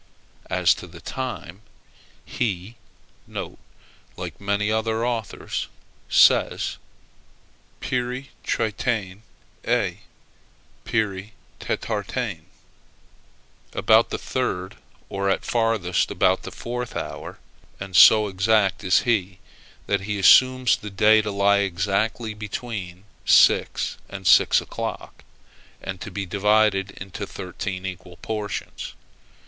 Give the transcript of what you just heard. As to the time, he (like many other authors) says, [peri tritaen, ae (to makroteron) peri tetartaen,] about the third, or at farthest about the fourth hour: and so exact is he, that he assumes the day to lie exactly between six and six o'clock, and to be divided into thirteen equal portions.